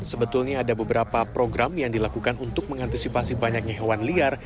sebetulnya ada beberapa program yang dilakukan untuk mengantisipasi banyaknya hewan liar